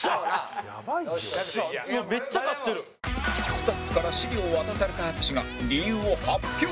スタッフから資料を渡された淳が理由を発表